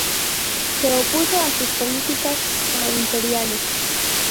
Se opuso a sus políticas pro-imperiales.